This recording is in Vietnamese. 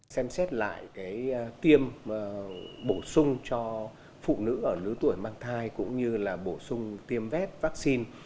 xem xét lại tiêm bổ sung cho phụ nữ ở lứa tuổi mang thai cũng như là bổ sung tiêm vét vaccine